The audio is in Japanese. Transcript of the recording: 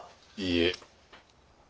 いいえ。